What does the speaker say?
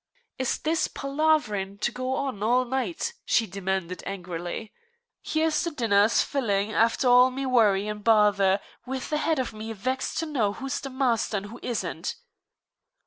"Is this palaverin' to go on all night?" she demanded angrily. "Here's the dinner sphilin', after all me worry and bother, with the head of me vexed to know who is the masther and who ishn't."